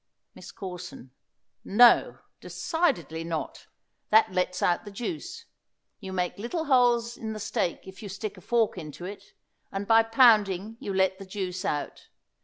MISS CORSON. No, decidedly not; that lets out the juice. You make little holes in the steak if you stick a fork into it, and by pounding you let the juice out.